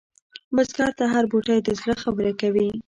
بزګر ته هره بوټۍ د زړه خبره کوي